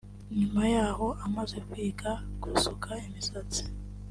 nyuma y’aho amaze kwiga gusuka imisatsi